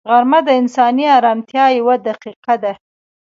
غرمه د انساني ارامتیا یوه دقیقه ده